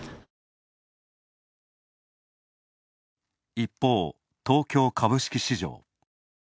一方、東京株式市場。